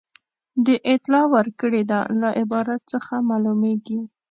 د اطلاع ورکړې ده له عبارت څخه معلومیږي.